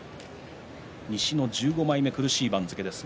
西の１５枚目、苦しい番付です。